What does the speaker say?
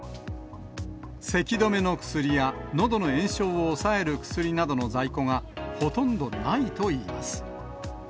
せき止めの薬やのどの炎症を抑える薬などの在庫がほとんどないといいます。